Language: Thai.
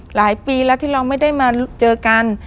หลายปีแล้วที่เราไม่ได้มาเจอกัน